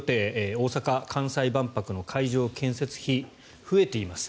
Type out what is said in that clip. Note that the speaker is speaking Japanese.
大阪・関西万博の会場建設費増えています。